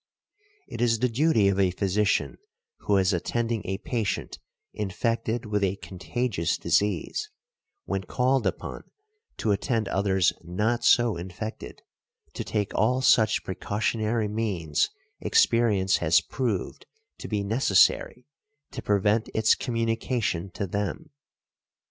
It is the duty of a physician who is attending a patient infected with a contagious disease, when called upon to attend others not so infected, to take all such precautionary means experience has proved to be necessary to prevent its communication to them.